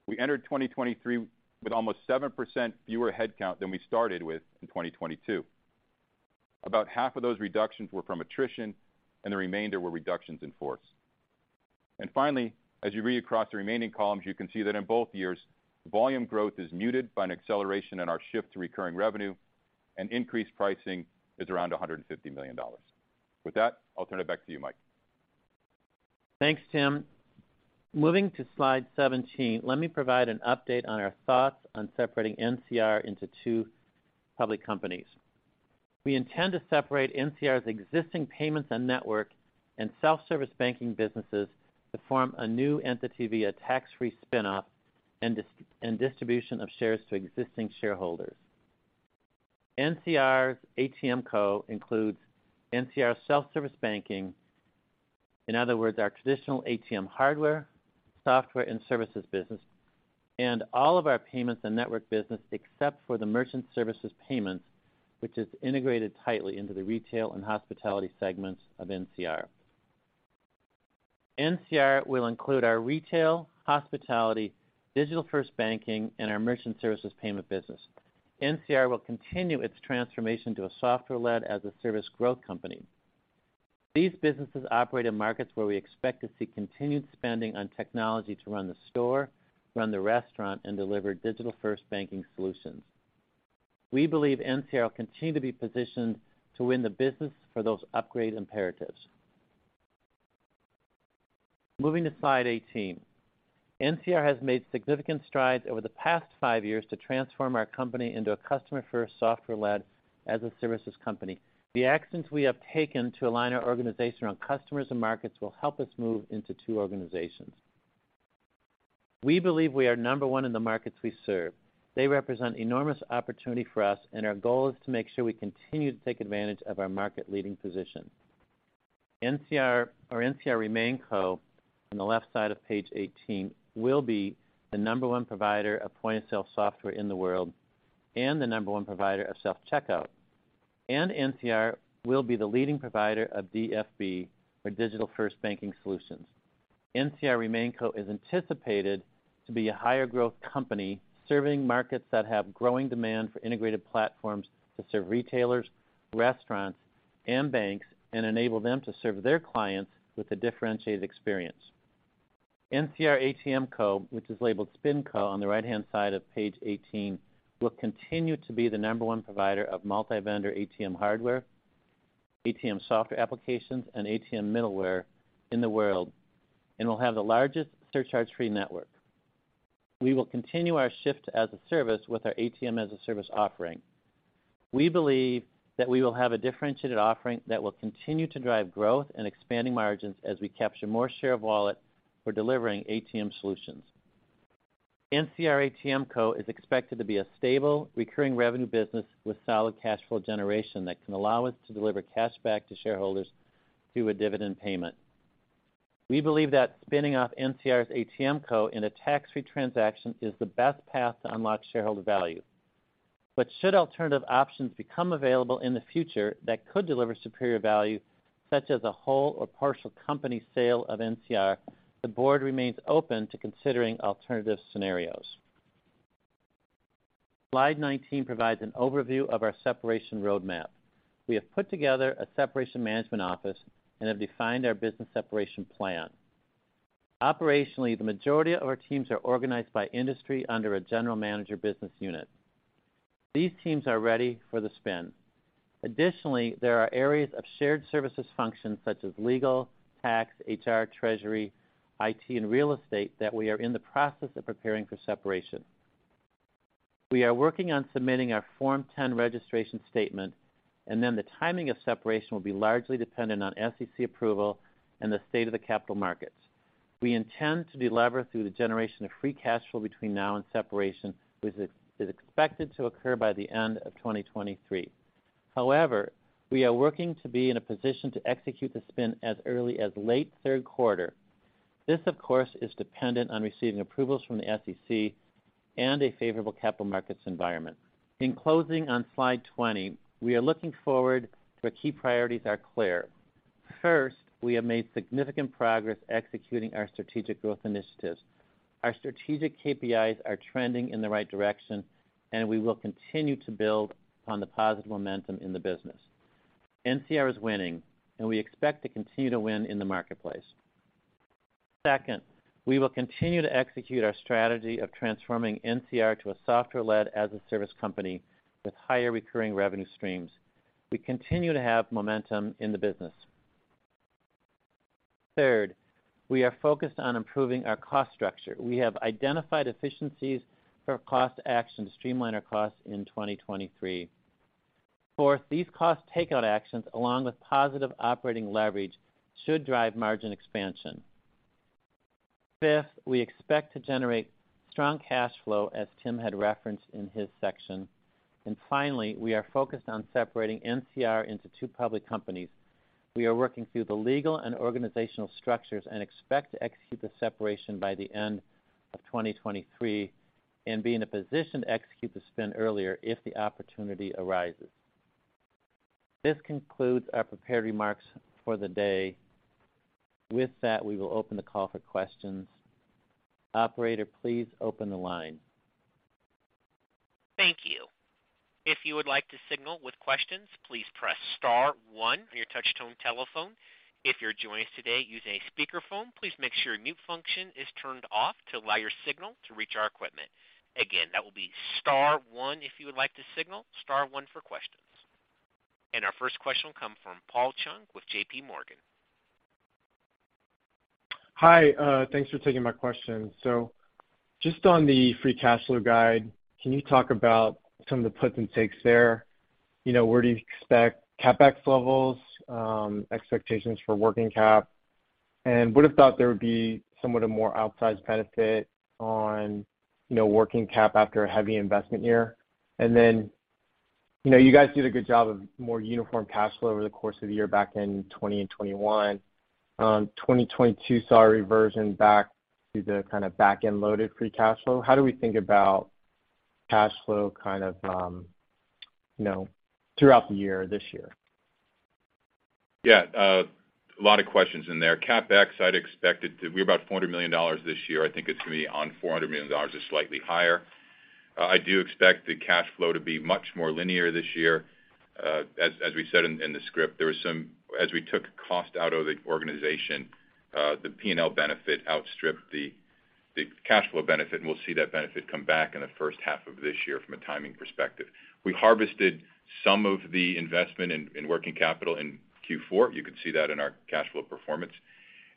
We entered 2023 with almost 7% fewer headcount than we started with in 2022. About half of those reductions were from attrition, and the remainder were reductions in force. Finally, as you read across the remaining columns, you can see that in both years, volume growth is muted by an acceleration in our shift to recurring revenue, and increased pricing is around $150 million. With that, I'll turn it back to you, Mike. Thanks, Tim. Moving to slide 17, let me provide an update on our thoughts on separating NCR into two public companies. We intend to separate NCR's existing Payments and Network and Self-Service Banking businesses to form a new entity via tax-free spin-off and distribution of shares to existing shareholders. NCR's ATMCo includes NCR Self-Service Banking, in other words, our traditional ATM hardware, software, and services business, and all of our Payments and Network business except for the merchant services payments, which is integrated tightly into the retail and hospitality segments of NCR. NCR will include our retail, hospitality, Digital First Banking, and our merchant services payment business. NCR will continue its transformation to a software-led as-a-service growth company. These businesses operate in markets where we expect to see continued spending on technology to run the store, run the restaurant, and deliver Digital First Banking solutions. We believe NCR will continue to be positioned to win the business for those upgrade imperatives. Moving to slide 18. NCR has made significant strides over the past five years to transform our company into a customer-first, software-led as-a-services company. The actions we have taken to align our organization around customers and markets will help us move into two organizations. We believe we are number one in the markets we serve. They represent enormous opportunity for us, our goal is to make sure we continue to take advantage of our market-leading position. NCR, our NCR RemainCo, on the left side of page 18, will be the number one provider of point-of-sale software in the world and the number one provider of self-checkout. NCR will be the leading provider of DFB, or Digital First Banking solutions. NCR RemainCo is anticipated to be a higher growth company serving markets that have growing demand for integrated platforms to serve retailers, restaurants, and banks, and enable them to serve their clients with a differentiated experience. NCR ATMCo, which is labeled SpinCo on the right-hand side of page 18, will continue to be the number one provider of multi-vendor ATM hardware, ATM software applications, and ATM middleware in the world, and will have the largest surcharge-free network. We will continue our shift as-a-service with our ATM as a Service offering. We believe that we will have a differentiated offering that will continue to drive growth and expanding margins as we capture more share of wallet for delivering ATM solutions. NCR ATMCo is expected to be a stable, recurring revenue business with solid cash flow generation that can allow us to deliver cash back to shareholders through a dividend payment. We believe that spinning off NCR's ATMCo in a tax-free transaction is the best path to unlock shareholder value. Should alternative options become available in the future that could deliver superior value, such as a whole or partial company sale of NCR, the board remains open to considering alternative scenarios. Slide 19 provides an overview of our separation roadmap. We have put together a separation management office and have defined our business separation plan. Operationally, the majority of our teams are organized by industry under a general manager business unit. These teams are ready for the spin. Additionally, there are areas of shared services functions such as legal, tax, HR, treasury, IT, and real estate that we are in the process of preparing for separation. We are working on submitting our Form 10 registration statement. The timing of separation will be largely dependent on SEC approval and the state of the capital markets. We intend to delever through the generation of free cash flow between now and separation, which is expected to occur by the end of 2023. We are working to be in a position to execute the spin as early as late third quarter. This, of course, is dependent on receiving approvals from the SEC and a favorable capital markets environment. In closing on slide 20, we are looking forward to. Our key priorities are clear. First, we have made significant progress executing our strategic growth initiatives. Our strategic KPIs are trending in the right direction. We will continue to build on the positive momentum in the business. NCR is winning, and we expect to continue to win in the marketplace. Second, we will continue to execute our strategy of transforming NCR to a software-led as-a-service company with higher recurring revenue streams. We continue to have momentum in the business. Third, we are focused on improving our cost structure. We have identified efficiencies for cost action to streamline our costs in 2023. Fourth, these cost takeout actions, along with positive operating leverage, should drive margin expansion. Fifth, we expect to generate strong cash flow, as Tim had referenced in his section. Finally, we are focused on separating NCR into two public companies. We are working through the legal and organizational structures and expect to execute the separation by the end of 2023, and be in a position to execute the spin earlier if the opportunity arises. This concludes our prepared remarks for the day. With that, we will open the call for questions. Operator, please open the line. Thank you. If you would like to signal with questions, please press star one on your touch-tone telephone. If you're joining us today using a speakerphone, please make sure mute function is turned off to allow your signal to reach our equipment. Again, that will be star one if you would like to signal, star one for questions. Our first question will come from Paul Chung with JPMorgan. Hi, thanks for taking my question. Just on the free cash flow guide, can you talk about some of the puts and takes there? You know, where do you expect CapEx levels, expectations for working cap? Would have thought there would be somewhat a more outsized benefit on, you know, working cap after a heavy investment year. You know, you guys did a good job of more uniform cash flow over the course of the year back in 2020 and 2021. 2022 saw a reversion back to the kind of back-end loaded free cash flow. How do we think about cash flow kind of, you know, throughout the year this year? A lot of questions in there. CapEx, I'd expect it to be about $400 million this year. I think it's gonna be on $400 million or slightly higher. I do expect the cash flow to be much more linear this year. As we said in the script, as we took cost out of the organization, the P&L benefit outstripped the cash flow benefit, and we'll see that benefit come back in the first half of this year from a timing perspective. We harvested some of the investment in working capital in Q4. You can see that in our cash flow performance.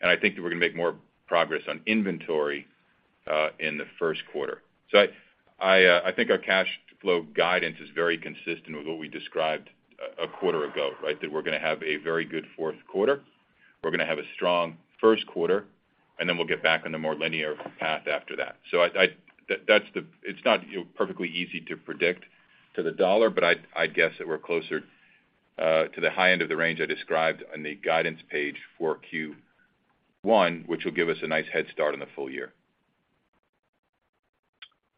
I think that we're gonna make more progress on inventory in the first quarter. I think our cash flow guidance is very consistent with what we described a quarter ago, right? That we're gonna have a very good fourth quarter. We're gonna have a strong first quarter, and then we'll get back on a more linear path after that. It's not, you know, perfectly easy to predict to the dollar, but I'd guess that we're closer to the high end of the range I described on the guidance page for Q1, which will give us a nice head start on the full year.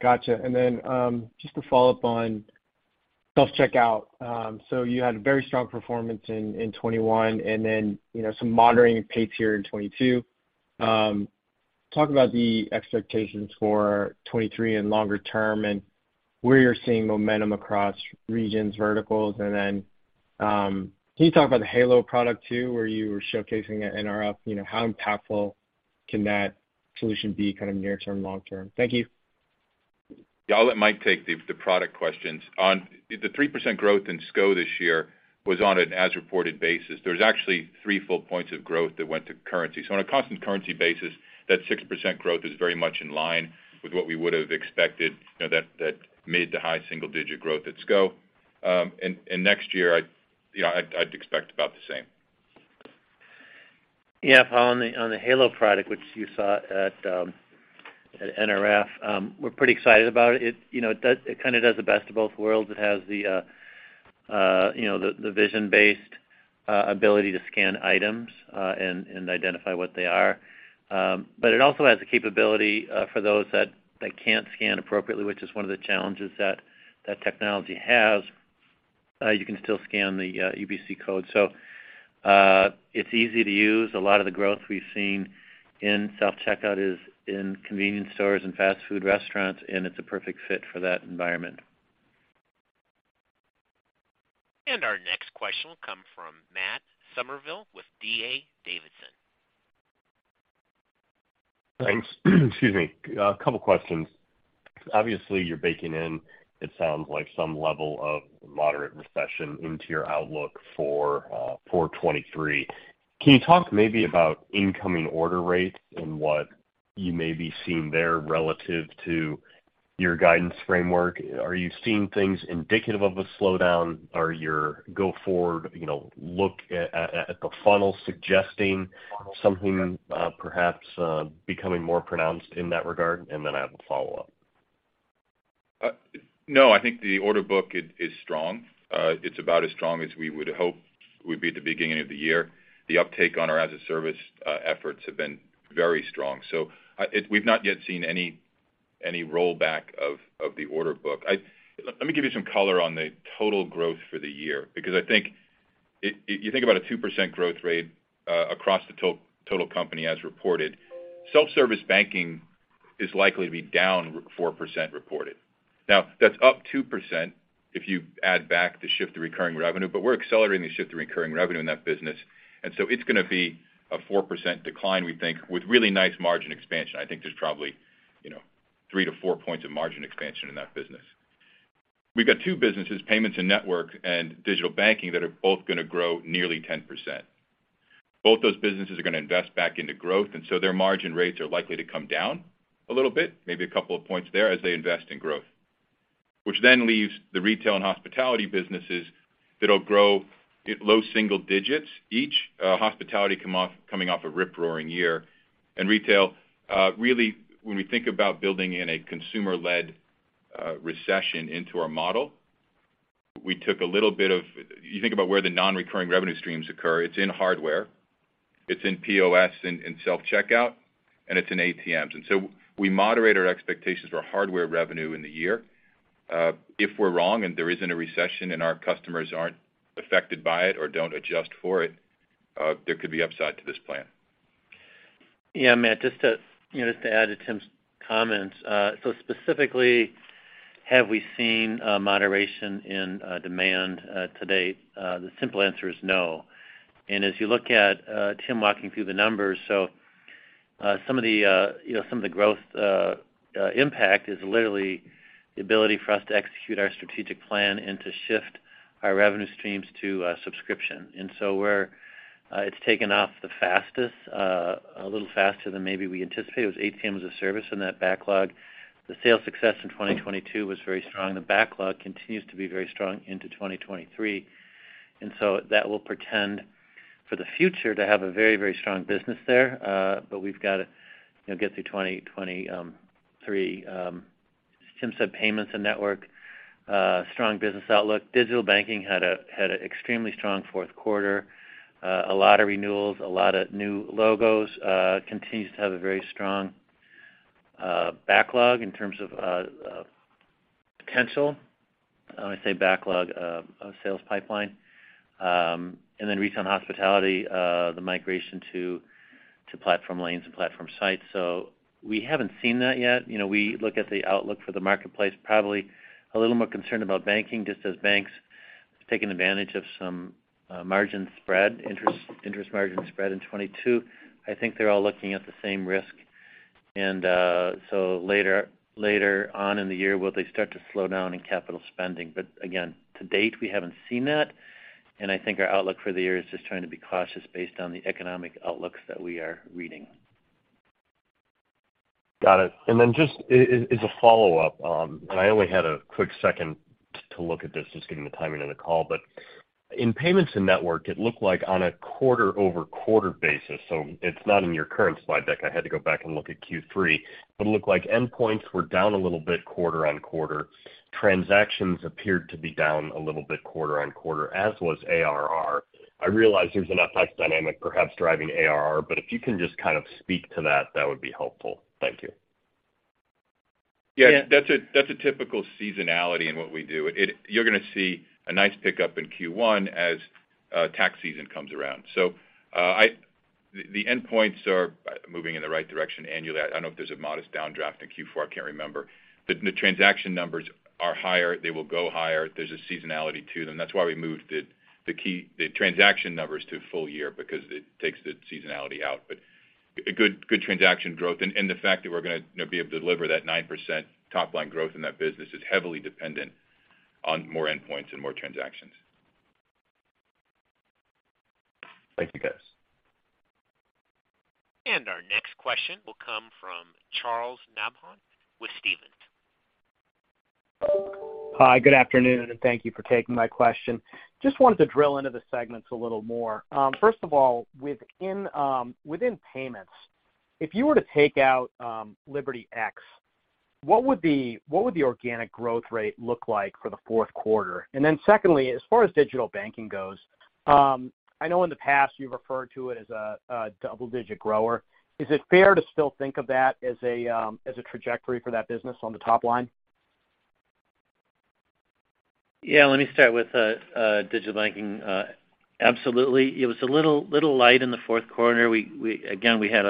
Gotcha. Just to follow up on self-checkout. You had a very strong performance in 2021 and then, you know, some moderating pace here in 2022. Talk about the expectations for 2023 and longer term and where you're seeing momentum across regions, verticals? Can you talk about the Halo product too, where you were showcasing at NRF? You know, how impactful can that solution be kind of near term, long term? Thank you. Yeah, I'll let Mike take the product questions. The 3% growth in SCO this year was on an as-reported basis. There was actually 3 full points of growth that went to currency. On a constant currency basis, that 6% growth is very much in line with what we would have expected, you know, that mid to high single digit growth at SCO. And next year, I'd, you know, I'd expect about the same. Paul, on the, on the Halo product, which you saw at NRF, we're pretty excited about it. It, you know, it kind of does the best of both worlds. It has the, you know, the vision-based, ability to scan items, and identify what they are. It also has the capability, for those that can't scan appropriately, which is one of the challenges that that technology has. You can still scan the UPC code. It's easy to use. A lot of the growth we've seen in self-checkout is in convenience stores and fast food restaurants, and it's a perfect fit for that environment. Our next question will come from Matt Summerville with D.A. Davidson. Thanks. Excuse me. A couple questions. Obviously, you're baking in, it sounds like, some level of moderate recession into your outlook for for 2023. Can you talk maybe about incoming order rates and what you may be seeing there relative to your guidance framework? Are you seeing things indicative of a slowdown? Are your go forward, you know, look at the funnel suggesting something perhaps becoming more pronounced in that regard? Then I have a follow-up. No, I think the order book is strong. It's about as strong as we would hope would be at the beginning of the year. The uptake on our as-a-service efforts have been very strong. We've not yet seen any rollback of the order book. Let me give you some color on the total growth for the year, because I think you think about a 2% growth rate across the total company as reported. Self-Service Banking is likely to be down 4% reported. That's up 2% if you add back the shift to recurring revenue, but we're accelerating the shift to recurring revenue in that business. It's gonna be a 4% decline, we think, with really nice margin expansion. I think there's probably, you know, 3 points-4 points of margin expansion in that business. We've got two businesses, Payments and Network and Digital Banking, that are both gonna grow nearly 10%. Both those businesses are going to invest back into growth, and so their margin rates are likely to come down a little bit, maybe a couple of points there as they invest in growth. Which leaves the retail and hospitality businesses that'll grow low single digits each. Hospitality coming off a rip-roaring year. Retail, really, when we think about building in a consumer-led recession into our model, we took a little bit of. You think about where the non-recurring revenue streams occur, it's in hardware, it's in POS and self-checkout, and it's in ATMs. We moderate our expectations for hardware revenue in the year. If we're wrong and there isn't a recession and our customers aren't affected by it or don't adjust for it, there could be upside to this plan. Yeah, Matt, just to, you know, just to add to Tim's comments. specifically, have we seen a moderation in demand to date? The simple answer is no. As you look at Tim walking through the numbers, some of the, you know, some of the growth impact is literally the ability for us to execute our strategic plan and to shift our revenue streams to subscription. Where it's taken off the fastest, a little faster than maybe we anticipated, was ATMs as a Service in that backlog. The sales success in 2022 was very strong. The backlog continues to be very strong into 2023. That will portend for the future to have a very, very strong business there. We've got to, you know, get through 2023. Tim said Payments and Network strong business outlook. Digital Banking had a extremely strong fourth quarter, a lot of renewals, a lot of new logos, continues to have a very strong backlog in terms of potential. When I say backlog, a sales pipeline. Retail and hospitality, the migration to platform lanes and platform sites. We haven't seen that yet. You know, we look at the outlook for the marketplace, probably a little more concerned about banking, just as banks have taken advantage of some margin spread, interest margin spread in 2022. I think they're all looking at the same risk. Later on in the year, will they start to slow down in capital spending? Again, to date, we haven't seen that. I think our outlook for the year is just trying to be cautious based on the economic outlooks that we are reading. Got it. Just as a follow-up, I only had a quick second to look at this, just given the timing of the call. In Payments and Network, it looked like on a quarter-over-quarter basis, it's not in your current slide deck, I had to go back and look at Q3, it looked like endpoints were down a little bit quarter-on-quarter. Transactions appeared to be down a little bit quarter-on-quarter, as was ARR. I realize there's an FX dynamic perhaps driving ARR, if you can just kind of speak to that would be helpful. Thank you. Yeah, that's a typical seasonality in what we do. You're gonna see a nice pickup in Q1 as tax season comes around. The endpoints are moving in the right direction annually. I don't know if there's a modest downdraft in Q4, I can't remember. The transaction numbers are higher, they will go higher. There's a seasonality to them. That's why we moved it, the key, the transaction numbers to full year because it takes the seasonality out, but a good transaction growth. The fact that we're gonna, you know, be able to deliver that 9% top line growth in that business is heavily dependent on more endpoints and more transactions. Thank you, guys. Our next question will come from Charles Nabhan with Stephens. Hi, good afternoon, thank you for taking my question. Just wanted to drill into the segments a little more. First of all, within payments, if you were to take out LibertyX, what would the organic growth rate look like for the fourth quarter? Secondly, as far as Digital Banking goes, I know in the past you referred to it as a double-digit grower. Is it fair to still think of that as a trajectory for that business on the top line? Yeah, let me start with Digital Banking. Absolutely. It was a little light in the fourth quarter. Again, we had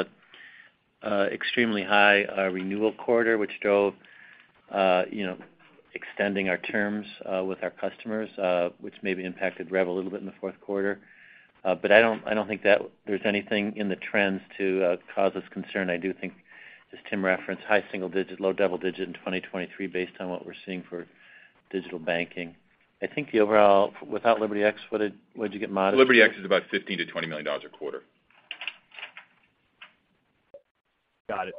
a extremely high renewal quarter, which drove, you know, extending our terms with our customers, which maybe impacted rev a little bit in the fourth quarter. I don't think that there's anything in the trends to cause us concern. I do think, as Tim referenced, high single digit percent, low double digit percent in 2023 based on what we're seeing for Digital Banking. I think the overall, without LibertyX, would you get modest- LibertyX is about $15 million-$20 million a quarter. Got it.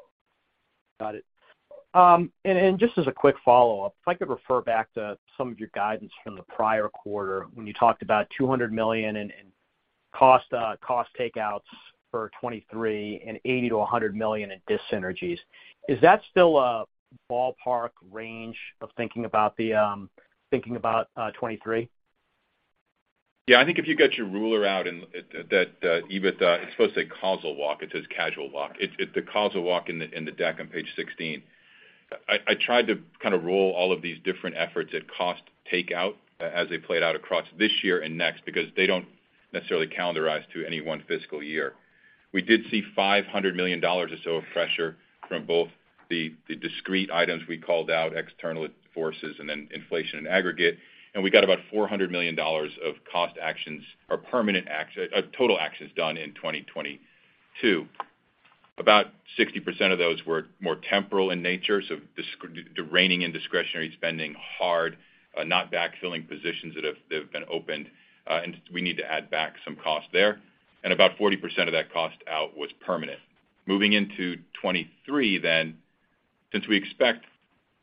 Got it. Just as a quick follow-up, if I could refer back to some of your guidance from the prior quarter when you talked about $200 million in cost takeouts for 2023 and $80 million-$100 million in dissynergies. Is that still a ballpark range of thinking about the, thinking about, 2023? Yeah. I think if you get your ruler out and that, even it's supposed to say causal walk, it says casual walk. It's the causal walk in the, in the deck on page 16. I tried to kind of roll all of these different efforts at cost takeout as they played out across this year and next because they don't necessarily calendarize to any one fiscal year. We did see $500 million or so of pressure from both the discrete items we called out, external forces, and then inflation in aggregate. We got about $400 million of cost actions or permanent acti- total actions done in 2022. 60% of those were more temporal in nature, so dis- reining in discretionary spending hard, not backfilling positions that have, they've been opened, and we need to add back some cost there. About 40% of that cost out was permanent. Moving into 2023, since we expect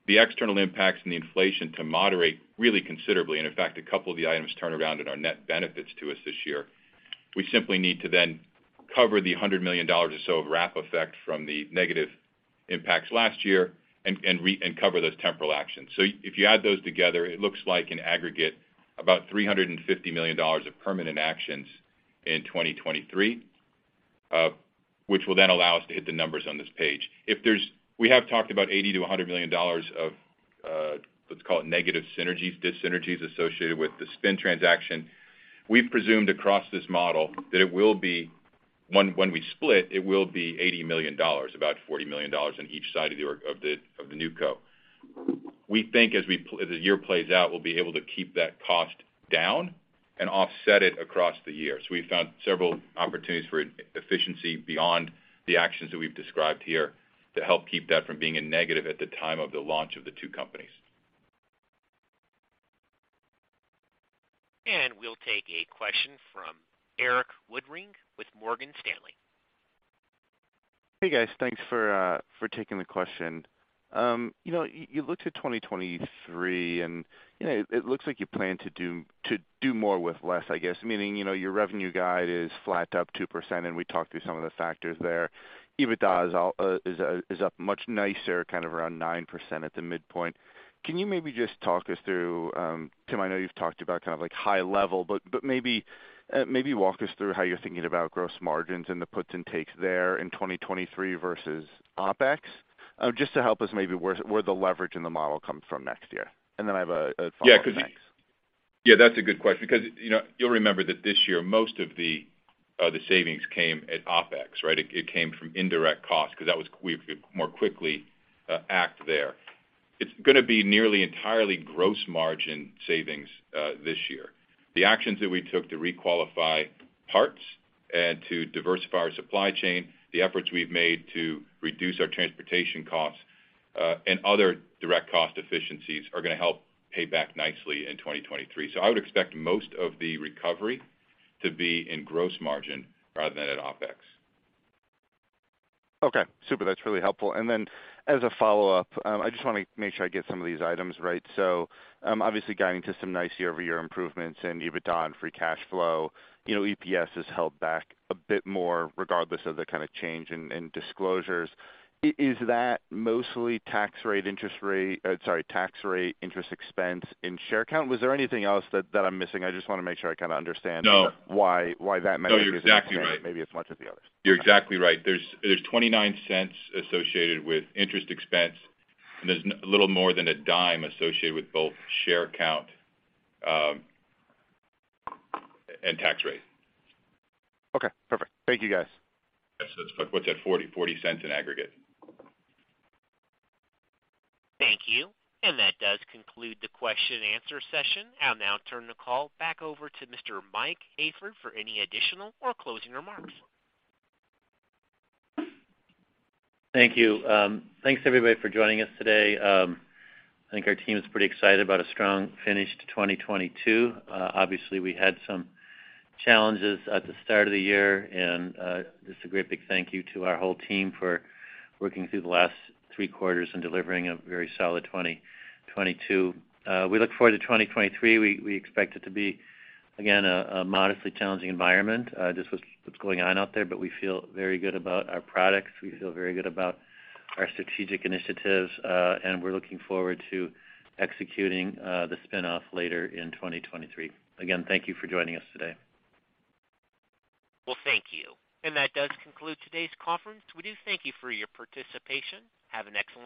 the external impacts and the inflation to moderate really considerably, and in fact, a couple of the items turn around in our net benefits to us this year, we simply need to cover the $100 million or so of wrap effect from the negative impacts last year and cover those temporal actions. If you add those together, it looks like an aggregate about $350 million of permanent actions in 2023, which will then allow us to hit the numbers on this page. We have talked about $80 million-$100 million of, let's call it negative synergies, dis-synergies associated with the Spin transaction. We've presumed across this model that it will be when we split, it will be $80 million, about $40 million on each side of the new co. We think as the year plays out, we'll be able to keep that cost down and offset it across the year. We found several opportunities for efficiency beyond the actions that we've described here to help keep that from being a negative at the time of the launch of the two companies. We'll take a question from Erik Woodring with Morgan Stanley. Hey, guys. Thanks for taking the question. You know, you looked at 2023 and, you know, it looks like you plan to do more with less, I guess. Meaning, you know, your revenue guide is flat up 2%, and we talked through some of the factors there. EBITDA is up much nicer, kind of around 9% at the midpoint. Can you maybe just talk us through Tim, I know you've talked about kind of like high level, but maybe walk us through how you're thinking about gross margins and the puts and takes there in 2023 versus OpEx, just to help us maybe where the leverage in the model comes from next year. Then I have a follow-up next. Yeah, that's a good question because, you know, you'll remember that this year, most of the savings came at OpEx, right? It came from indirect costs because we could more quickly act there. It's gonna be nearly entirely gross margin savings this year. The actions that we took to requalify parts and to diversify our supply chain, the efforts we've made to reduce our transportation costs, and other direct cost efficiencies are gonna help pay back nicely in 2023. I would expect most of the recovery to be in gross margin rather than at OpEx. Okay, super. That's really helpful. Then as a follow-up, I just wanna make sure I get some of these items right. Obviously guiding to some nice year-over-year improvements in EBITDA and free cash flow. You know, EPS has held back a bit more regardless of the kind of change in disclosures. Is that mostly tax rate, sorry, tax rate, interest expense in share count? Was there anything else that I'm missing? I just wanna make sure I kinda understand. No. Why that metric? No, you're exactly right. maybe as much as the others. You're exactly right. There's $0.29 associated with interest expense, and there's a little more than a dime associated with both share count and tax rate. Okay, perfect. Thank you, guys. Yes, that's what's that? $0.40 in aggregate. Thank you. That does conclude the question and answer session. I'll now turn the call back over to Mr. Mike Hayford for any additional or closing remarks. Thank you. Thanks everybody for joining us today. I think our team is pretty excited about a strong finish to 2022. Obviously we had some challenges at the start of the year and just a great big thank you to our whole team for working through the last three quarters and delivering a very solid 2022. We look forward to 2023. We expect it to be, again, a modestly challenging environment just with what's going on out there, but we feel very good about our products. We feel very good about our strategic initiatives and we're looking forward to executing the spin-off later in 2023. Again, thank you for joining us today. Well, thank you. That does conclude today's conference. We do thank you for your participation. Have an excellent day.